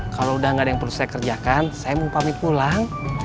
kalau udah gak ada yang perlu saya kerjakan saya mau pamit pulang